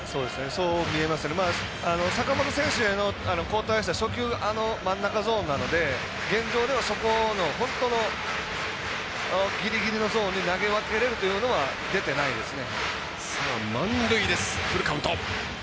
坂本選手への交代した初球真ん中ゾーンなので現状では、ギリギリのゾーンに投げ分けれるというのは出てないですね。